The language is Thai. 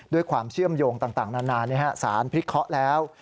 ด้วยความเชื่อมโยงต่างนานสารพิษเคาะแล้ว